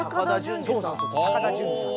そうそうそう高田純次さん。